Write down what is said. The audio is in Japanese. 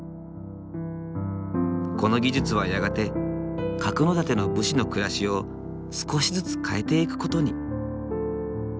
この技術はやがて角館の武士の暮らしを少しずつ変えていく事に。